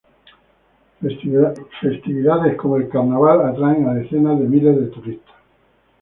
Festividades como el carnaval atraen a decenas de miles de turistas.